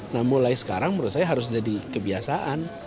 nah mulai sekarang menurut saya harus jadi kebiasaan